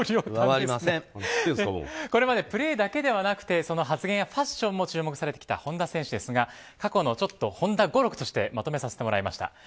これまで、プレーだけでなくて発言やファッションも注目されてきた本田選手ですが過去の本田語録としてまとめさせていただきました。